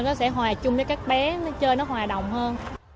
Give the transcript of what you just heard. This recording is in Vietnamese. nó sẽ hòa chung với các bé chơi nó hòa đồng hơn